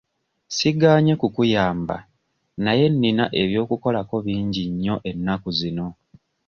Sigaanye kukuyamba naye nnina eby'okukolako bingi nnyo ennaku zino.